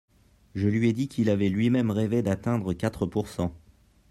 Je lui ai dit qu’il avait lui-même rêvé d’atteindre quatre pourcent.